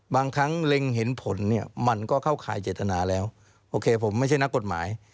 บางครั้งเล็งเห็นผลเนี่ยมันก็เข้าข่ายเจตนาแล้วโอเคผมไม่ใช่นักกฎหมาย